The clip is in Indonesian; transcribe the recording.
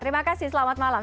terima kasih selamat malam